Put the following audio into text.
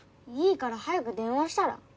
いいから早く電話したら？